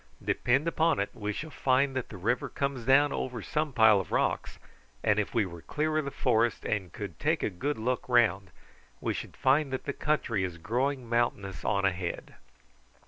Depend upon it we shall find that the river comes down over some pile of rocks, and if we were clear of the forest and could take a good look round we should find that the country is growing mountainous on ahead."